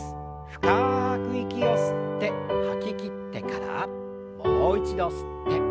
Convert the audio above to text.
深く息を吸って吐ききってからもう一度吸って吐きましょう。